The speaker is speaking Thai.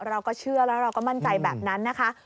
เราก็เชื่อแล้วเราก็มั่นใจแบบนั้นนะคะ